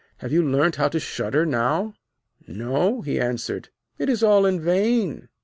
Have you learnt how to shudder now?' 'No,' he answered; 'it's all in vain.